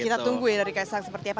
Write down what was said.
kita tunggu ya dari kaya sang seperti apa